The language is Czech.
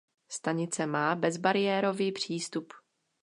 Stanice má bezbariérový přístup.